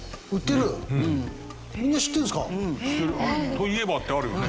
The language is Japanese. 「といえば」ってあるよね。